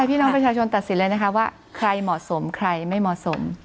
พี่น้องประชาชนตัดสินเลยนะคะว่าใครเหมาะสมใครไม่เหมาะสม